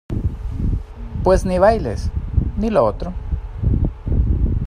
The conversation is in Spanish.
pues ni bailes, ni lo otro.